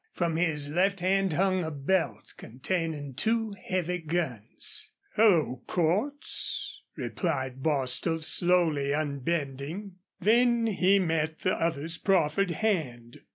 From his left hand hung a belt containing two heavy guns. "Hello, Cordts," replied Bostil, slowly unbending. Then he met the other's proffered hand.